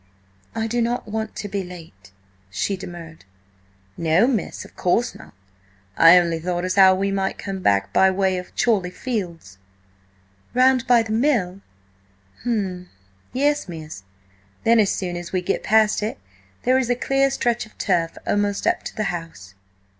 "I do not want to be late," she demurred. "No, miss, of course not. I only thought as how we might come back by way of Chorly Fields." "Round by the mill? H'm." ... "Yes, miss. Then as soon as we get past it there is a clear stretch of turf almost up to the house."